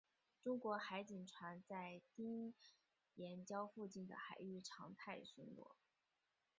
中国海警船在丁岩礁附近海域常态巡逻。